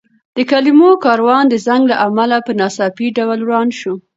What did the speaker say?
د کلمو کاروان د زنګ له امله په ناڅاپي ډول وران شو.